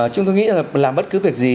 chúng tôi nghĩ là làm bất cứ việc gì